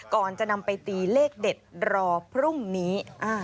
ก่อนจะนำไปตีเลขเด็ดรอพรุ่งนี้